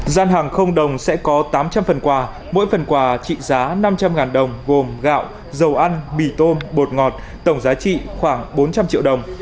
gian hàng không đồng sẽ có tám trăm linh phần quà mỗi phần quà trị giá năm trăm linh đồng gồm gạo dầu ăn mì tôm bột ngọt tổng giá trị khoảng bốn trăm linh triệu đồng